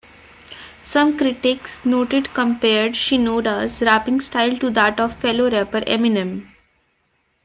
Some critics noted compared Shinoda's rapping style to that of fellow rapper Eminem.